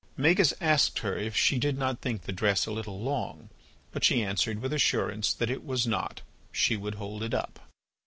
Magis asked her if she did not think the dress a little long, but she answered with assurance that it was not—she would hold it up.